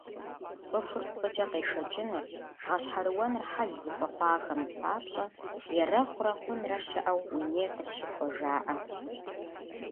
ЦӀыхур пцӀыкӀэ къешэкӀыныр, гъэщхьэрыуэныр хьэл зыхуэхъуахэм папщӏэ «Ерэхъурэ хъунрэ щыӀэу уи ней къысщыхуэ» жаӏэ.